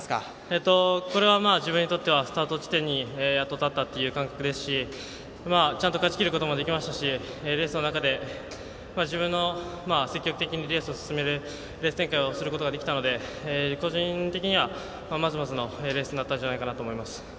自分にとってスタートラインにやっと立ったっていう感覚ですしちゃんと勝ちきることもできましたしレースの中で、自分の積極的にレース進めるレース展開をすることができたので個人的にはまずまずのレースになったんじゃないかなと思います。